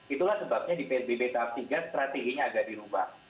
itulah sebabnya di psbb tahap tiga strateginya agak dirubah